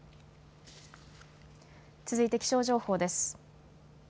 続いて気象情報です。